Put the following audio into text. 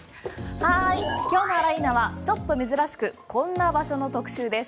今日のあら、いーな！はちょっと珍しくこんな場所の特集です。